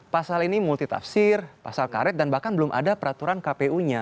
pasal ini multitafsir pasal karet dan bahkan belum ada peraturan kpu nya